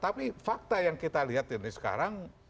tapi fakta yang kita lihat ini sekarang